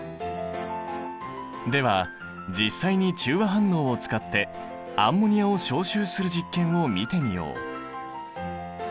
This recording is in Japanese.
では実際に中和反応を使ってアンモニアを消臭する実験を見てみよう。